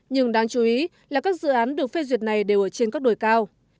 nhưng đáng chú ý là các dự án được phê duyệt này đều ở trên các đồi cao